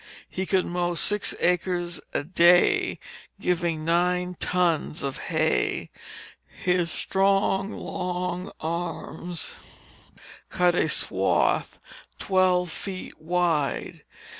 He could mow six acres a day, giving nine tons of hay; his strong, long arms cut a swath twelve feet wide.